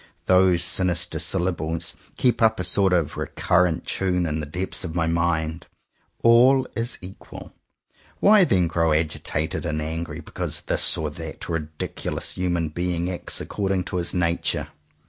Those sinis ter syllables keep up a sort of recurrent tune in the depths of my mind. All is equal. Why then grow agitated and angry because this or that ridiculous human being acts according to his nature.